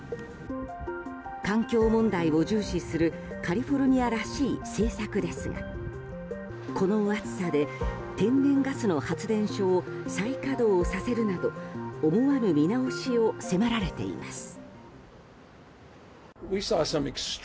環境問題を重視するカリフォルニアらしい政策ですがこの暑さで、天然ガスの発電所を再稼働させるなど思わぬ見直しを迫られています。